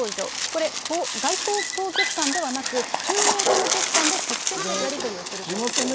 これ、外交当局間ではなく、中央当局間で直接やり取りをするということです。